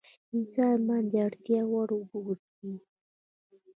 انسان باید د اړتیا وړ اوبه وڅښي